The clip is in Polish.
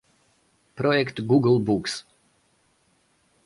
projekt Google Books